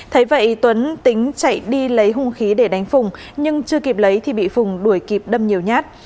thấy vậy tuấn tính chạy đi lấy hung khí để đánh phùng nhưng chưa kịp lấy thì bị phùng đuổi kịp đâm nhiều nhát